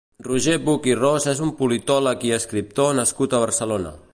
Roger Buch i Ros és un politòleg i escriptor nascut a Barcelona.